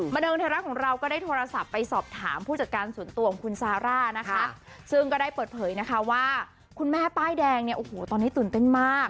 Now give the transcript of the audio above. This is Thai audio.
บันเทิงไทยรัฐของเราก็ได้โทรศัพท์ไปสอบถามผู้จัดการส่วนตัวของคุณซาร่านะคะซึ่งก็ได้เปิดเผยนะคะว่าคุณแม่ป้ายแดงเนี่ยโอ้โหตอนนี้ตื่นเต้นมาก